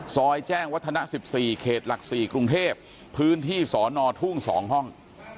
แจ้งวัฒนะ๑๔เขตหลัก๔กรุงเทพพื้นที่สอนอทุ่ง๒ห้อง